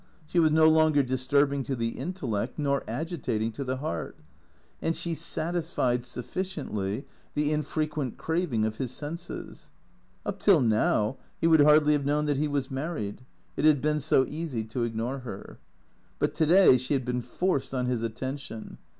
She was no longer disturbing to the intellect, nor agitating to the heart; and she satisfied, suf ficiently, the infrequent craving of his senses. Up till now he would hardly have known that he was married; it had been so easy to ignore her. But to day she had been forced on his attention.